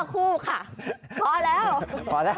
๑๙คู่ค่ะพอแล้ว